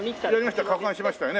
やりました。